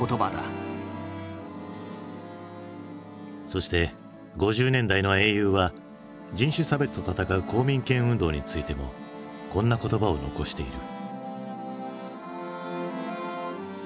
そして５０年代の英雄は人種差別と闘う公民権運動についてもこんな言葉を残している。